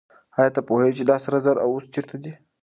آیا ته پوهېږې چې دا سره زر اوس چېرته دي؟